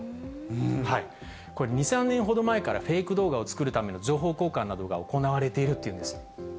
これ、２、３年ほど前からフェイク動画を作るための情報交換などが行われているっていうんです。